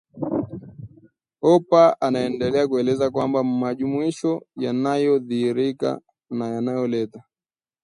Hooper anaendelea kueleza kwamba majumuisho yanayodhihirika na yanayoleta